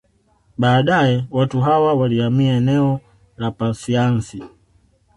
Baadae watu hawa walihamia eneo la Pasiansi